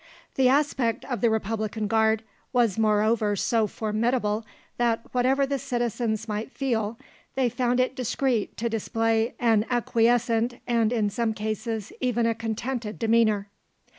The aspect of the Republican Guard was moreover so formidable that, whatever the citizens might feel, they found it discreet to display an acquiescent, and in some cases even a contented demeanour.